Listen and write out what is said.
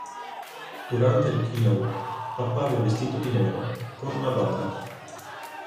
Durante il keynote, apparve vestito di nero, con una bara.